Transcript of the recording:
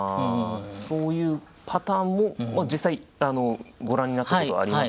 そういうパターンも実際ご覧になったことありますか？